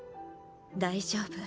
大丈夫。